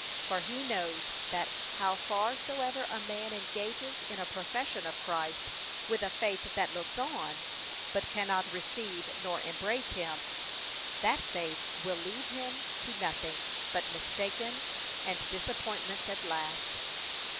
For he knows that how far soever a man engages in a profession of Christ with a faith that looks on, but cannot receive nor embrace him, that faith will leave him to nothing but mistaken and disappointments at last.